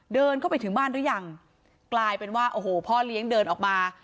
เดินเข้าไปถึงบ้านหรือยังกลายเป็นว่าโอ้โหพ่อเลี้ยงเดินออกมา